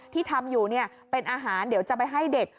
ที่ทำอยู่เป็นอาหารเดี๋ยวจะไปให้เด็ก